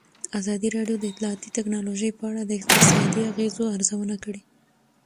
ازادي راډیو د اطلاعاتی تکنالوژي په اړه د اقتصادي اغېزو ارزونه کړې.